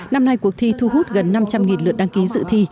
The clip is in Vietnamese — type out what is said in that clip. năm nay cuộc thi thu hút gần năm trăm linh lượt đăng ký dự thi